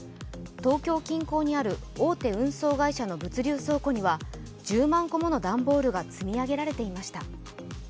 東京近郊にある大手運送会社の物流倉庫には１０万個もの段ボールが積み上げられていました。